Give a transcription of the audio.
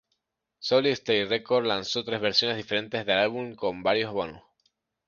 Solid State Records lanzó tres versiones diferentes del álbum con varios bonus.